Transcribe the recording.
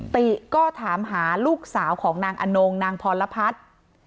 ติก็ถามหาลูกสาวของนางอนงนางพรพัฒน์